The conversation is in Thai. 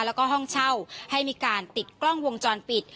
แล้วก็ห้องเช่าให้มีการติดกล้องวงจรปิด